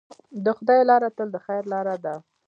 د خدای لاره تل د خیر لاره ده.